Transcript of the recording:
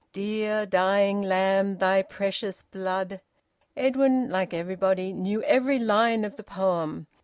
... Dear dying Lamb, Thy precious blood Edwin, like everybody, knew every line of the poem.